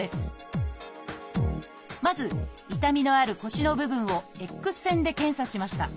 まず痛みのある腰の部分をＸ線で検査しました。